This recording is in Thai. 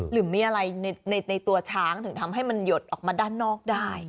หรือมีอะไรในตัวช้างถึงทำให้มันหยดออกมาด้านนอกได้